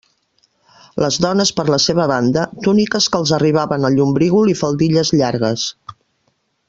Les dones, per la seva banda, túniques que els arribaven al llombrígol i faldilles llargues.